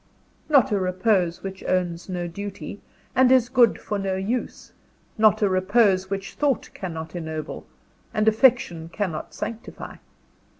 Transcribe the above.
Not a repose which owns no duty, and is good for no use; not a repose which Thought cannot ennoble, and Affection cannot sanctify.